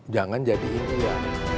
jangan jadi hindu ya